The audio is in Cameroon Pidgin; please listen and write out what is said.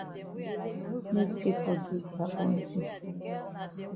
Make pipo do dia own tin.